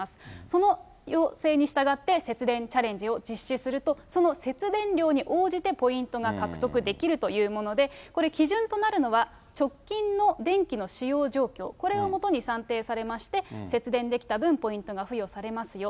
その要請に従って、節電チャレンジを実施すると、その節電量に応じて、ポイントが獲得できるというもので、基準となるのは、直近の電気の使用状況、これを基に算定されまして、節電できた分、ポイントが付与されますよ。